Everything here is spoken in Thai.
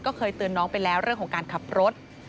ก็เคยเตือนน้องไปแล้วเรื่องของการขับรถ